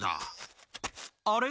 あれ？